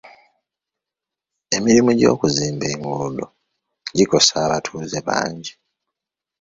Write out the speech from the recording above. Emirimu gy'okuzimba enguudo gikosa abatuuze bangi.